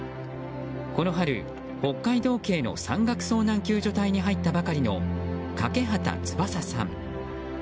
この春北海道警の山岳遭難救助隊に入ったばかりの掛端翼さん。